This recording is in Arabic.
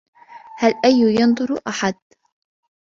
هل أى ينظر أحد ؟